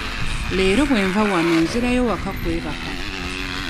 Leero bwe nva wano nzirayo waka kwebaka.